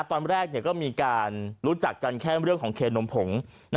ตอนแรกก็มีการรู้จักกันแค่เรื่องของเคนมผง